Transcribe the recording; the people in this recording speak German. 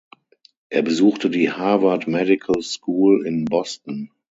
Er besuchte die Harvard Medical School in Boston.